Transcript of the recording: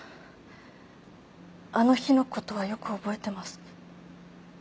あの日の事はよく覚えてます。